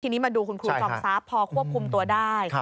ทีนี้มาดูคุณครูจอมทรัพย์พอควบคุมตัวได้